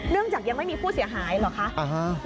จากยังไม่มีผู้เสียหายเหรอคะ